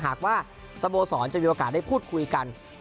หากว่าสโมสรจะมีโอกาสได้พูดคุยกัน